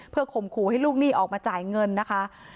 เพื่อข่มขู่ให้ลูกหนี้ออกมาจ่ายเงินนะคะ